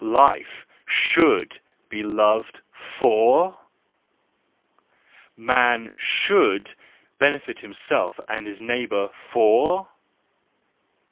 Life should beloved, for .../ Man should benefit himself and his neighbour, for